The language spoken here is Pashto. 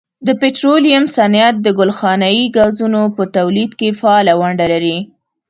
د پټرولیم صنعت د ګلخانهیي ګازونو په تولید کې فعاله ونډه لري.